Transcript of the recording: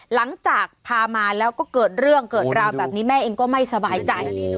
หลังจากพามาแล้วก็เกิดเรื่องเกิดราวแบบนี้แม่เองก็ไม่สบายใจ